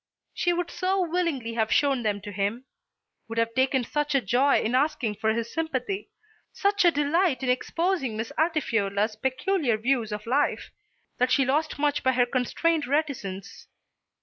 She would so willingly have shown them to him, would have taken such a joy in asking for his sympathy, such a delight in exposing Miss Altifiorla's peculiar views of life, that she lost much by her constrained reticence.